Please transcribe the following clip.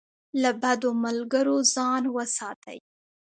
له بدو ملګرو ځان وساتئ.